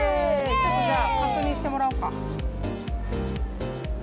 ちょっとじゃあ確認してもらおうか。